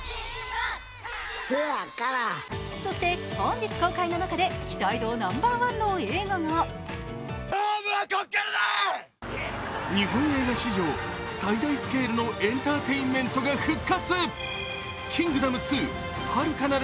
そして本日公開の中で期待度ナンバーワンの映画が日本映画史上、最大スケールのエンターテインメントが復活。